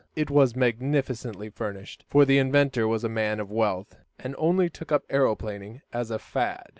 It was magnificently furnished, for the inventor was a man of wealth, and only took up aeroplaning as a "fad."